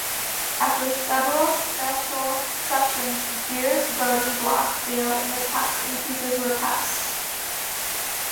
After several special sessions, Beers' voting bloc failed and the tax increases were passed.